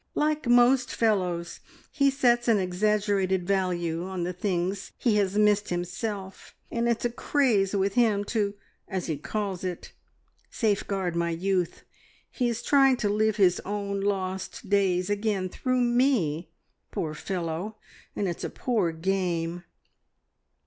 Like most fellows he sets an exaggerated value on the things he has missed himself, and it's a craze with him to as he calls it `safeguard my youth.' He is trying to live his own lost days again through me, poor fellow, and it's a poor game.